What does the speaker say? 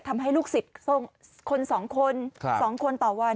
ทำให้ลูกศิษย์คน๒คน๒คนต่อวัน